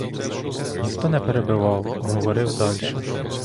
Ніхто не перебивав, говорив дальше.